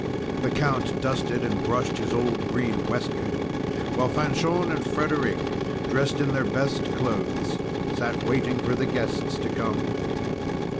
The Count dusted and brushed his old green waistcoat; while Fanchon and Frederic, dressed in their best clothes, sat waiting for the guests to come.